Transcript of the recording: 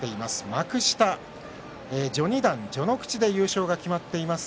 幕下、序二段、序ノ口で優勝が決まっています。